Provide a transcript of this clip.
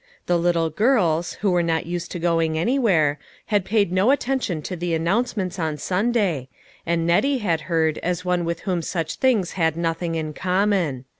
The little girls, who were not used to going any where, had paid no attention to the announce ments on Sunday, and Nettie had heard as one with whom such things had nothing in com mon.